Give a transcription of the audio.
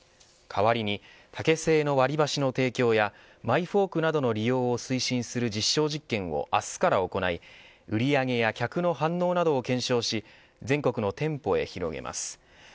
代わりに竹製の割り箸の提供やマイフォークなどの利用を推進する実証実験を明日から行い売上げや客の反応などを検証し全国の店舗へ広げます。